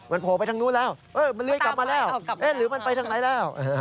มันโผล่ไปทางนู้นแล้วมันเลื้อยกลับมาแล้วหรือมันไปทางไหนแล้ว